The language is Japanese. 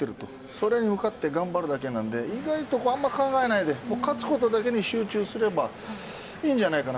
それに向かって頑張るだけなんで意外とあんまり考えないで勝つことだけに集中すればいいんじゃないかな。